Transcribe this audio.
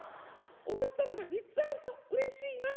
お星様が３つあるとうれしいな。